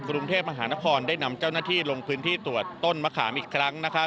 กรุงเทพมหานครได้นำเจ้าหน้าที่ลงพื้นที่ตรวจต้นมะขามอีกครั้ง